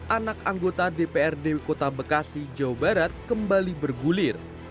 anak anggota dprd kota bekasi jawa barat kembali bergulir